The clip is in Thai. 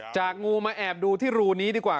งูมาแอบดูที่รูนี้ดีกว่า